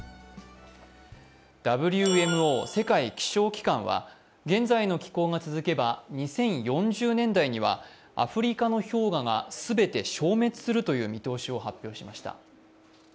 ＷＭＯ＝世界気象機関は現在の気候が続けば２０４０年代にはアフリカの氷河が全て消滅するという見通しを発表しました。